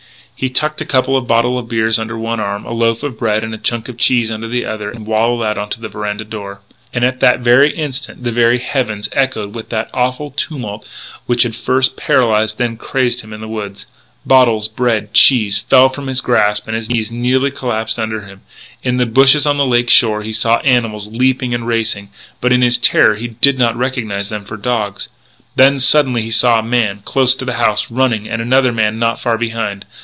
So he tucked a couple of bottles of beer under one arm, a loaf of bread and a chunk of cheese under the other, and waddled out to the veranda door. And at that instant the very heavens echoed with that awful tumult which had first paralysed, then crazed him in the woods. Bottles, bread, cheese fell from his grasp and his knees nearly collapsed under him. In the bushes on the lake shore he saw animals leaping and racing, but, in his terror, he did not recognise them for dogs. Then, suddenly, he saw a man, close to the house, running: and another man not far behind.